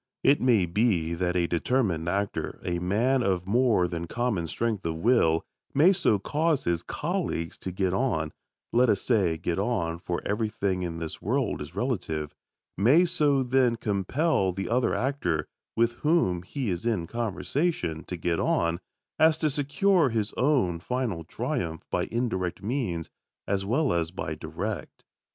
It may be that a determined actor a man of more than common strength of will may so cause his colleague to get on (let us say "get on," for everything in this world is relative); may so, then, compel the other actor, with whom he is in conversation, to get on, as to secure his own final triumph by indirect means as well as by direct.